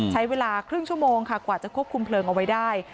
ใช้เวลาครึ่งชั่วโมงค่ะกว่าจะควบคุมเพลิงเอาไว้ได้